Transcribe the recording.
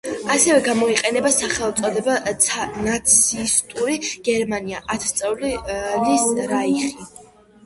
ასევე გამოიყენება სახელწოდებები „ნაცისტური გერმანია“, „ათასწლეულის რაიხი“.